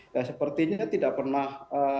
ya sepertinya tidak pernah